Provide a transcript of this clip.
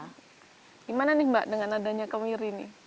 gimana nih mbak dengan adanya kemiri ini